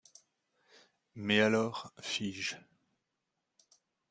Mais alors… ., fis-je.